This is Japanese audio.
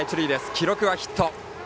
記録はヒット。